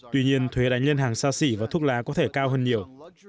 tuy nhiên thuế đánh nhân hàng xa xỉ và thuốc lá có thể cao hơn nhiều